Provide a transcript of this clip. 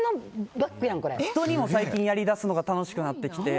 人にも最近やるのが楽しくなってきて。